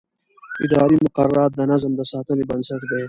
اداري مقررات د نظم د ساتنې بنسټ دي.